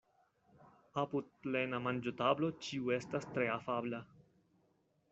Apud plena manĝotablo ĉiu estas tre afabla.